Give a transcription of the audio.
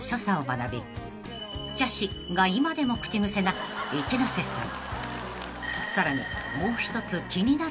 「ちゃし」が今でも口癖な一ノ瀬さん］